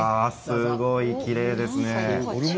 すごいきれいですね。